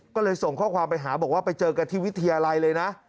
ก็เลยส่งข้อความไปหาบอกว่าไปเจอกันที่วิทยาลัยเลยนะ